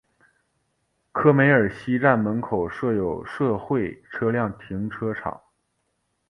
科梅尔西站门口设有社会车辆停车场。